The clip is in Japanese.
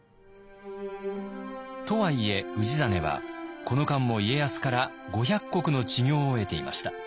とはいえ氏真はこの間も家康から５００石の知行を得ていました。